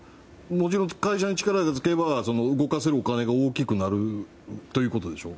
もちろん、会社に力がつけば動かせるお金も大きくなるということでしょ。